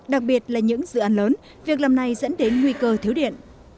đặc biệt là những dự án lớn việc làm này dẫn đến nguy cơ thiếu điện